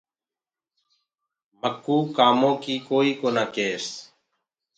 مڪوُ ڪآمو ڪيٚ ڪوئي ڪونآ ڪيس۔